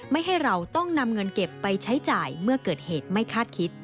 ให้เราต้องนำเงินเก็บไปใช้จ่ายเมื่อเกิดเหตุไม่คาดคิด